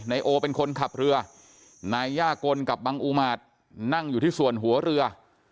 นายโอเป็นคนขับเรือนายย่ากลกับบังอุมาตรนั่งอยู่ที่ส่วนหัวเรือ